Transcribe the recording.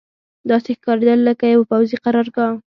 داسې ښکارېدل لکه یوه پوځي قرارګاه.